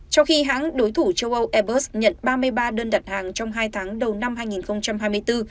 trong khi hãng đối thủ châu âu airbus nhận ba mươi ba đơn đặt hàng trong hai tháng đầu năm hai nghìn hai mươi bốn